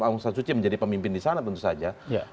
aung san suci menjadi pemimpin di sana tentu saja